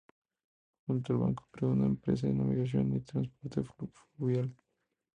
Junto al banco, creó una empresa de navegación y transporte fluvial.